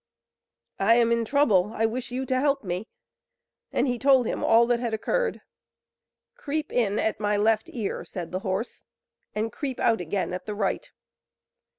"I am in trouble; I wish you to help me." And he told him all that had occurred. "Creep in at my left ear," said the horse, "and creep out again at the right."